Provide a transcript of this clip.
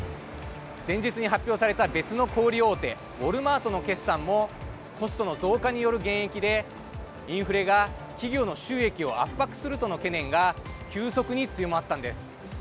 前日に発表された別の小売り大手ウォルマートの決算もコストの増加による減益でインフレが企業の収益を圧迫するとの懸念が急速に強まったんです。